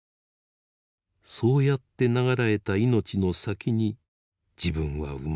そうやって長らえた命の先に自分は生まれている。